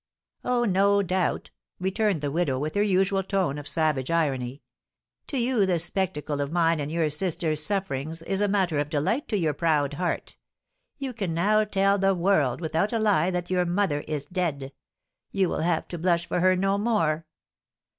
"Oh, no doubt!" returned the widow, with her usual tone of savage irony. "To you the spectacle of mine and your sister's sufferings is a matter of delight to your proud heart; you can now tell the world without a lie that your mother is dead, you will have to blush for her no more!"